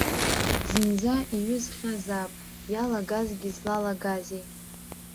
Зынӡа иҩызхьазаап, иалагазгьы злалагазеи?